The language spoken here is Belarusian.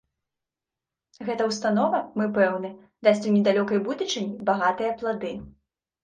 Гэта ўстанова, мы пэўны, дасць у недалёкай будучыні багатыя плады.